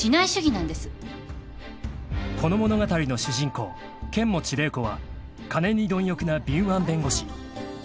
［この物語の主人公剣持麗子は金に貪欲な敏腕弁護士］